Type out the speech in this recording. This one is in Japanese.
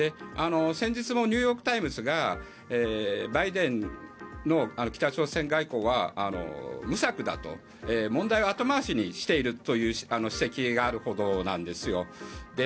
先日もニューヨーク・タイムズがバイデンの北朝鮮外交は無策だと問題を後回しにしているという指摘があるほどなんですよ。